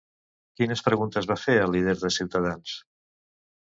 Quines preguntes va fer el líder de Ciutadans?